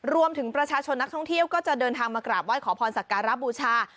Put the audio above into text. รวมถึงประชาชนนักท่องเที่ยวก็จะเดินทางมากราบไห้ขอพรสักการะบูชา